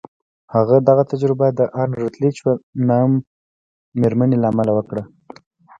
هغه دغه تجربه د ان روتلیج په نوم مېرمنې له امله وکړه